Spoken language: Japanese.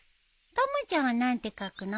たまちゃんは何て書くの？